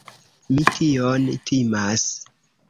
Mi tion timas.